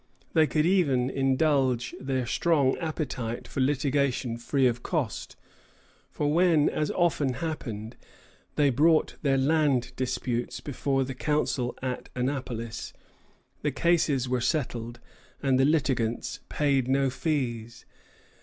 They could even indulge their strong appetite for litigation free of cost; for when, as often happened, they brought their land disputes before the Council at Annapolis, the cases were settled and the litigants paid no fees.